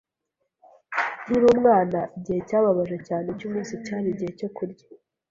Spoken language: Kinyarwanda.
Nkiri umwana, igihe cyababaje cyane cyumunsi cyari igihe cyo kurya.